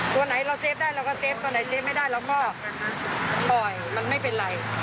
ตัวไหนเราเฟฟได้เราก็เฟฟตัวไหนเซฟไม่ได้เราก็ปล่อยมันไม่เป็นไร